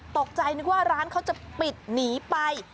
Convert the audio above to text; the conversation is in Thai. ตกใจนึกว่าร้านเขาจะปิดหนีไป